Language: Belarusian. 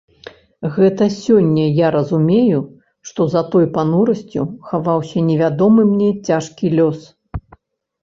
Гэта сёння я разумею, што за той панурасцю хаваўся невядомы мне цяжкі лёс.